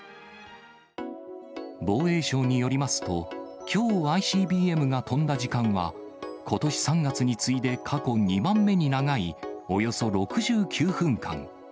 防衛省によりますと、きょうＩＣＢＭが飛んだ時間は、ことし３月に次いで過去２番目に長い、およそ６９分間。